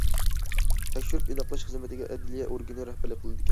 تەكشۈرۈپ ئېنىقلاش خىزمىتىگە ئەدلىيە ئورگىنى رەھبەرلىك قىلىدىكەن.